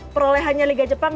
perolehannya liga jepang